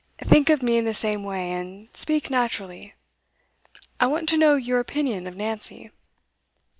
Think of me in the same way, and speak naturally. I want to know your opinion of Nancy.